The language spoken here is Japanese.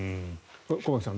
駒木さん